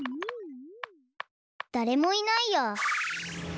だれもいないや。